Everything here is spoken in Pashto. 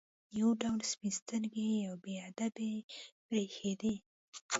یو ډول سپین سترګي او بې ادبي برېښېده.